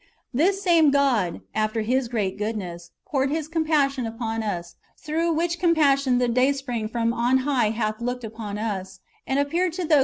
This same God, after His great goodness, poured His compassion upon us, through which compassion " the Dayspring from on high hath looked upon us, and appeared to those who 1 Ps.